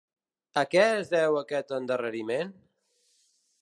A què es deu aquest endarreriment?